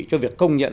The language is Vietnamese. cho việc công nhận